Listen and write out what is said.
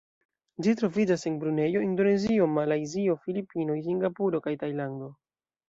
Ĝi troviĝas en Brunejo, Indonezio, Malajzio, Filipinoj, Singapuro kaj Tajlando.